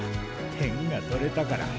点が取れたから。